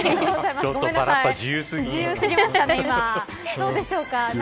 どうでしょうか。